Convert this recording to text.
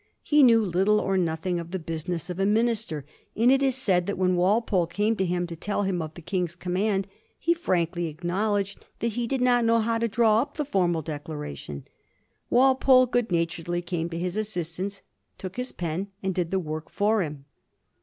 He knew little or nothing of the business of a minister, and it is said that when Walpole came to him to teU him of the King's command he frankly acknowledged that he did not know how to draw up the formal declara tion. Walpole good naturedly came to his assistance, took his pen, and did the work for him.